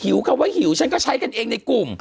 คำว่าหิวฉันก็ใช้กันเองในกลุ่ม